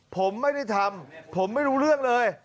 ผมไม่ได้ทำผมไม่รู้เรื่องเลย